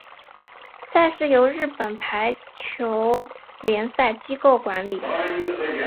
赛事由日本排球联赛机构管理。